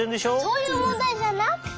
そういうもんだいじゃなくて！